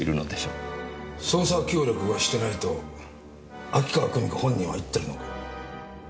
捜査協力をしてないと秋川久美子本人は言ってるの？